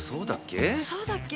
そうだっけ？